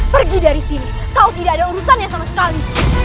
pergi dari sini kau tidak ada urusannya sama sekali